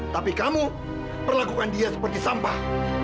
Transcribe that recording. tapi kamu perlakukan dia seperti sampah